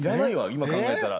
今考えたら。